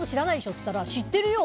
って言ったら知っているよ！